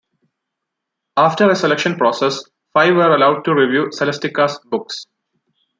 After a selection process, five were allowed to review Celestica's books.